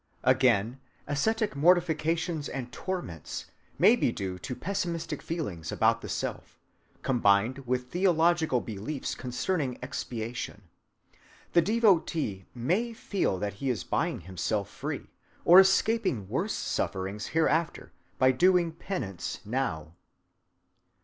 Again, ascetic mortifications and torments may be due to pessimistic feelings about the self, combined with theological beliefs concerning expiation. The devotee may feel that he is buying himself free, or escaping worse sufferings hereafter, by doing penance now.